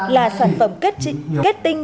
là sản phẩm kết tinh